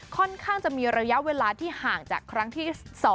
ค่อนข้างจะมีระยะเวลาที่ห่างจากครั้งที่๒